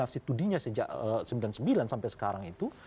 studinya sejak seribu sembilan ratus sembilan puluh sembilan sampai sekarang itu